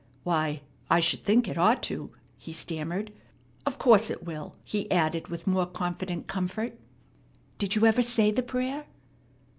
"Why, I should think it ought to," he stammered. "Of course it will," he added with more confident comfort. "Did you ever say the prayer?"